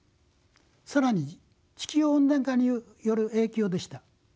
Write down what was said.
更に地球温暖化による影響でした。